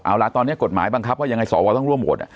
เอาล่ะตอนนี้กฎหมายบังคับว่ายังไงสวต้องร่วมโหวต